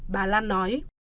bà lan nói